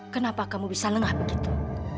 kenapa kamu bisa lengah begitu